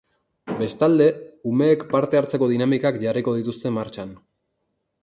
Bestalde, umeek parte hartzeko dinamikak jarriko dituzte martxan.